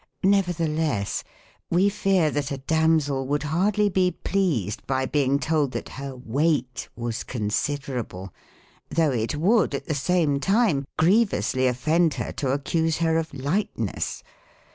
Nevertheless, we fear that a dam 116 THE COMIC ENGLISH GRAMMAR. sel would hardly be pleased by being told that her weight was considerable, though it would, at the same time, grievously offend her to accuse her of lightness.